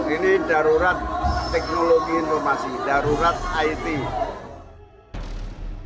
ini darurat teknologi informasi darurat it